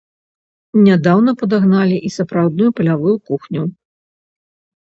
Нядаўна падагналі і сапраўдную палявую кухню.